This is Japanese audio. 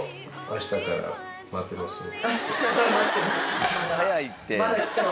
あしたから待ってます。